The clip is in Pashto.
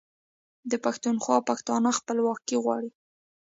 د پښتونخوا پښتانه خپلواکي غواړي.